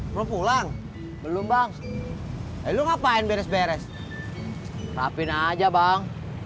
lo pulang belum bang eh lu ngapain beres beres rapin aja bang